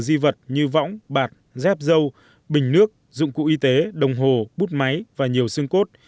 di vật như võng bạc dép dâu bình nước dụng cụ y tế đồng hồ bút máy và nhiều xương cốt